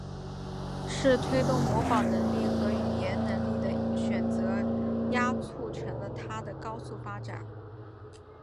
是推动模仿能力和语言能力的选择压促成了它的高速发展。